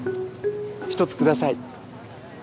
１つください。